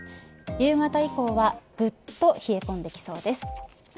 夕方以降はぐっと冷え込んできそうです。